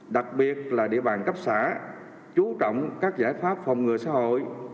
đặc biệt là địa bàn cấp xã chú trọng các giải pháp phòng ngừa xã hội